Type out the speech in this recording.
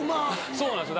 そうなんですよ。